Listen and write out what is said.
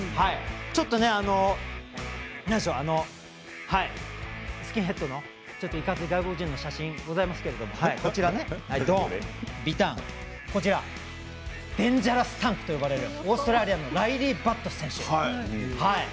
ちょっとスキンヘッドのいかつい外国人選手の写真ございますけれどもこちらデンジャラスタンクと呼ばれるオーストラリアのライリー・バット選手。